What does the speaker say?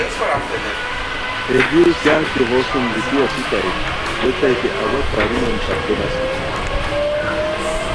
ہے دیو کیاغ کی ہوسوم گیتی اسیتائے ریتائے کی اوا پاریمان نختو نیسی